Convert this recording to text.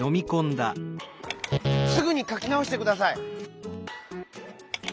「すぐにかきなおしてください」。